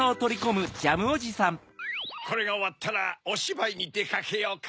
これがおわったらおしばいにでかけようか。